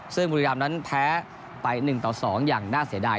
ซึ่งบุรีรำนั้นแพ้ไป๑ต่อ๒อย่างน่าเสียดาย